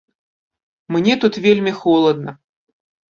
Мне тут вельмі холадна.